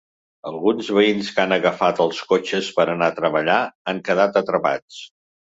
Alguns veïns que han agafat els cotxes per anar a treballar han quedat atrapats.